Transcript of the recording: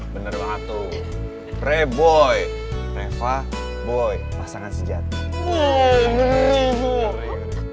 bener banget tuh reboy reva boy pasangan sejati